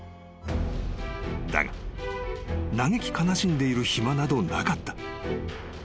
［だが嘆き悲しんでいる暇などなかった］